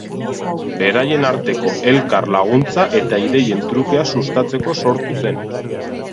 Beraien arteko elkar laguntza eta ideien trukea sustatzeko sortu zen.